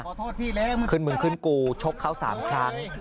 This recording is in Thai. ขอโทษพี่แล้วขึ้นมึงขึ้นกูชกเขา๓ครั้ง